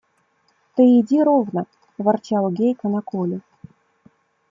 Ты иди ровно, – ворчал Гейка на Колю.